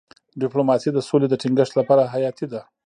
ډيپلوماسي د سولې د ټینګښت لپاره حیاتي ده.